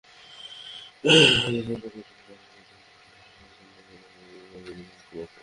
সাহিত্যের ক্ষেত্রে তাঁর কৃতিত্ব জীবনের বিস্তৃততর ক্ষেত্রে তাঁর অন্তরঙ্গ অভিজ্ঞতার প্রতিভাস মাত্র।